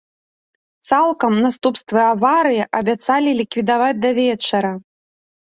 Цалкам наступствы аварыі абяцалі ліквідаваць да вечара.